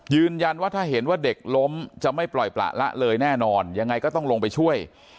ยืนยันว่าถ้าเห็นว่าเด็กล้มจะไม่ปล่อยประละเลยแน่นอนยังไงก็ต้องลงไปช่วย